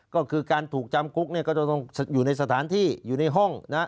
ก็คือการถูกจำคุกก็จะต้องอยู่ในสถานที่อยู่ในห้อง